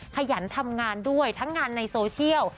ขยันทำงานด้วยทั้งงานในโซเชียล